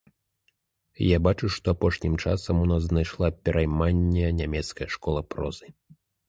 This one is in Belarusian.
Я бачу, што апошнім часам у нас знайшла перайманне нямецкая школа прозы.